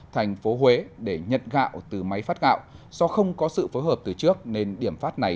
thành phố huế để nhận gạo từ máy phát gạo do không có sự phối hợp từ trước nên điểm phát này